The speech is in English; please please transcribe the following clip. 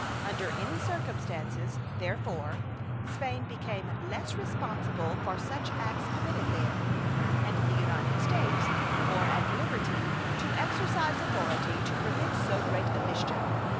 Under any circumstances, therefore, Spain became less responsible for such acts committed there, and the United States more at liberty to exercise authority to prevent so great a mischief.